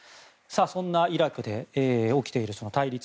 そんなイラクで起きている対立。